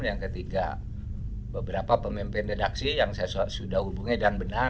yang ketiga beberapa pemimpin redaksi yang saya sudah hubungi dan benar